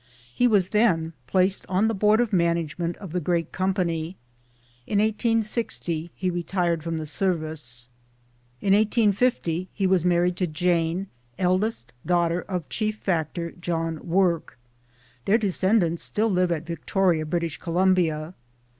He was then placed on the board of management of the great company. In 1860 he retired from the service. In 1850 he was married to Jane, eldest daughter of Chief Factor John Work. Their descendants still live at Victoria, British Columbia.